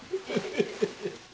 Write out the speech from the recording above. ハハハハ！